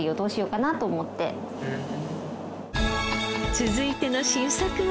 続いての新作は？